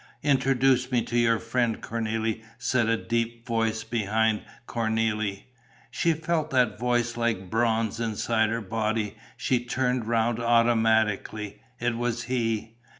"Introduce me to your friend, Cornélie!" said a deep voice behind Cornélie. She felt that voice like bronze inside her body. She turned round automatically. It was he.